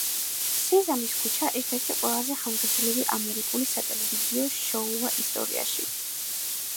სეზამის ქუჩა ერთ-ერთი ყველაზე ხანგრძლივი ამერიკული სატელევიზიო შოუა ისტორიაში.